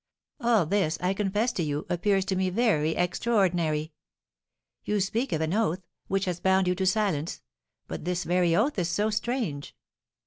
All this, I confess to you, appears to me very extraordinary. You speak of an oath, which has bound you to silence; but this very oath is so strange!"